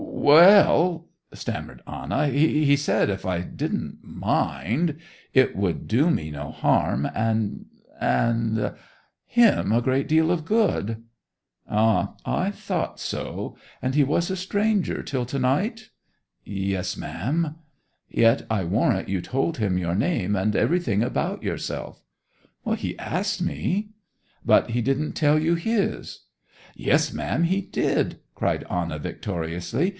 'Well,' stammered Anna; 'he said, if I didn't mind—it would do me no harm, and, and, him a great deal of good!' 'Ah, I thought so! And he was a stranger till to night?' 'Yes ma'am.' 'Yet I warrant you told him your name and every thing about yourself?' 'He asked me.' 'But he didn't tell you his?' 'Yes ma'am, he did!' cried Anna victoriously.